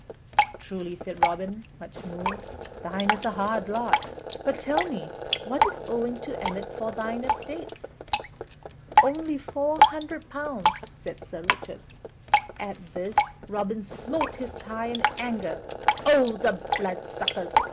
"Truly," said Robin, much moved, "thine is a hard lot. But tell me, what is owing to Emmet for thine estates?" "Only four hundred pounds," said Sir Richard. At this, Robin smote his thigh in anger. "O the bloodsuckers!"